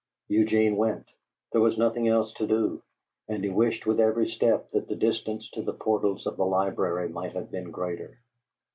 Eugene went. There was nothing else to do; and he wished with every step that the distance to the portals of the library might have been greater.